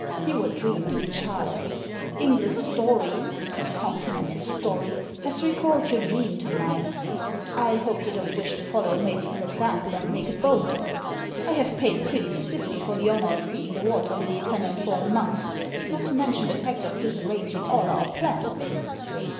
"You were dreaming, child. Inglis's story — con found him and his story! — has recalled your dream to mind. I hope you don't wish to follow Mason's example, and make a bolt of it. I have paid pretty stiffly for the honour of being the WcUer Lily tenant for a month, not to mention the fact of dis arranging all our plans."